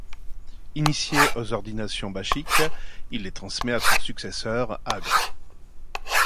Initié aux ordinations bachiques, il les transmet à son successeur Œagre.